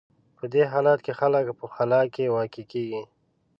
په دې حالت کې خلک په خلا کې واقع کېږي.